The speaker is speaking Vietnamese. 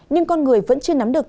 nhưng con người vẫn chưa nắm được